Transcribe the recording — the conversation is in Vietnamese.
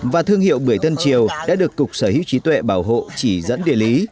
và thương hiệu bưởi tân triều đã được cục sở hữu trí tuệ bảo hộ chỉ dẫn địa lý